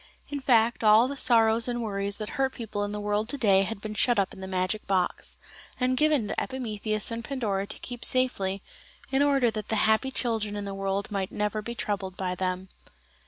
In fact all the sorrows and worries that hurt people in the world to day had been shut up in the magic box, and given to Epimetheus and Pandora to keep safely, in order that the happy children in the world might never be troubled by them.